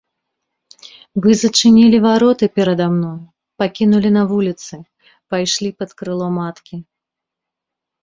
Вы зачынілі вароты перада мною, пакінулі на вуліцы, пайшлі пад крыло маткі.